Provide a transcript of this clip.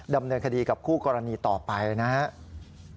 ดำเนินคดีกับคู่กรณีต่อไปนะครับ